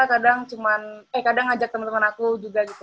kadang cuma eh kadang ajak temen temen aku juga gitu